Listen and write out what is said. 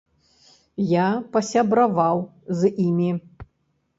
Я пасябраваў з імі.